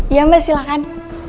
iya mbak silakan